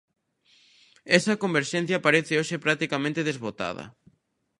Esa converxencia parece hoxe practicamente desbotada.